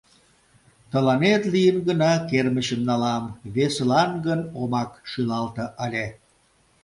Тыланет лийын гына кермычым налам, весылан гын омак шӱлалте ыле...